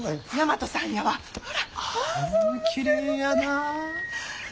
きれいやなあ。